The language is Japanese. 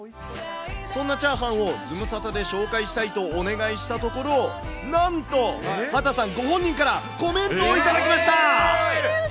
そんなチャーハンをズムサタで紹介したいとお願いしたところ、なんと、秦さんご本人からコメントを頂きました。